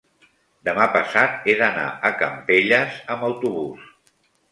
demà passat he d'anar a Campelles amb autobús.